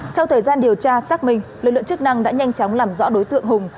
sau thời gian điều tra xác minh lực lượng chức năng đã nhanh chóng làm rõ đối tượng hùng